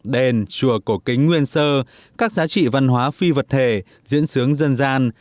đền chùa cổ kính nguyên sơ các giá trị văn hóa phi vật thể diễn sướng dân gian